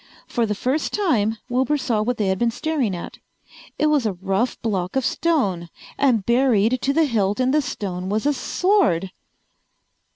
For the first time Wilbur saw what they had been staring at. It was a rough block of stone, and buried to the hilt in the stone was a sword!